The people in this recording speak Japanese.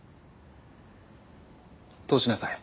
通しなさい。